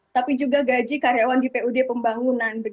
tapi juga gaji karyawan di pud pembangunan